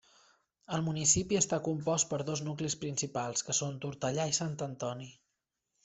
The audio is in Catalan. El municipi està compost per dos nuclis principals, que són Tortellà i Sant Antoni.